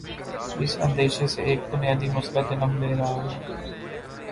اس اندیشے سے ایک بنیادی مسئلہ جنم لے رہاہے۔